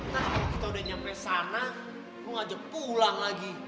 ntar kalau kita udah nyampe sana lo ngajak pulang lagi